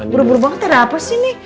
buru buru banget itu ada apa sih nih